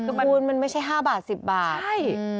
คือมันคุณมันไม่ใช่ห้าบาทสิบบาทใช่